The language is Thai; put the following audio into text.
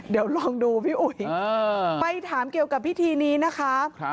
เดี๋ยวลองดูพี่อุ๋ยไปถามเกี่ยวกับพิธีนี้นะคะ